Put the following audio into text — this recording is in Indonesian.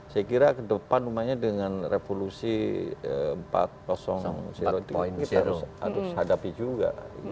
saya kira ke depan umumnya dengan revolusi empat ini kita harus hadapi juga